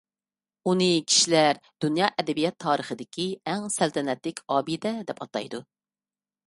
ئۇنى كىشىلەر دۇنيا ئەدەبىيات تارىخىدىكى «ئەڭ سەلتەنەتلىك ئابىدە» دەپ ئاتايدۇ.